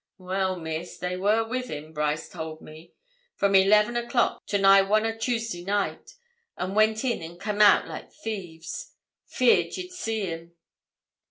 'Well, Miss, they were with him, Brice told me, from eleven o'clock to nigh one o' Tuesday night, an' went in and come out like thieves, 'feard ye'd see 'em.'